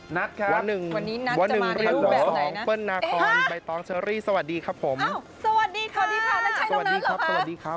วันนี้นัทจะมาในรูปแบบไหนนะสวัสดีครับผมสวัสดีค่ะนัทใช่น้องนัทหรอครับ